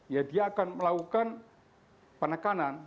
ya dia akan melakukan penekanan